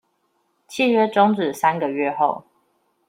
契約終止三個月後